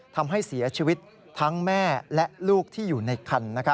ทำให้เสียชีวิตทั้งแม่และลูกที่อยู่ในคัน